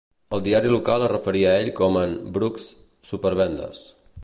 El diari local es referia a ell com en "Brooks supervendes".